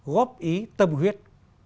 góp ý tâm huyết